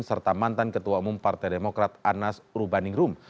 serta mantan ketua umum partai demokrat anas rubaningrum